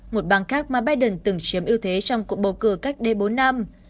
một bang khác mà biden từng chiếm ưu thế trong cuộc bầu cử cách đây bốn năm